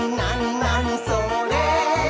なにそれ？」